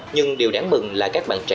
nhưng điều đáng mừng là các bạn trẻ